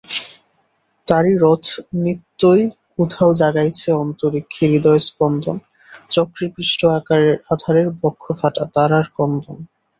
তারি রথ নিত্যই উধাও জাগাইছে অন্তরীক্ষে হৃদয়স্পন্দন, চক্রে-পিষ্ট আঁধারের বক্ষফাটা তারার ক্রন্দন।